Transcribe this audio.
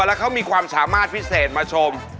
แล้วเขามีความสามารถพิเศษมาชม